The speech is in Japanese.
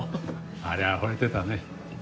ありゃ惚れてたね。